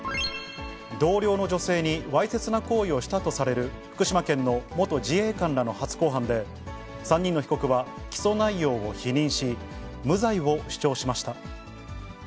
同僚の女性にわいせつな行為をしたとされる福島県の元自衛官らの初公判で、３人の被告は、起訴内容を否認し、無罪を主張しました。